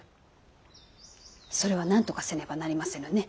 それはなんとかせねばなりませぬね。